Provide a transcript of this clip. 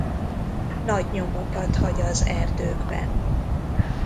Nagy nyomokat hagy az erdőkben.